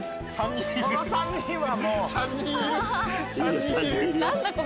この３人はもう。いいよ！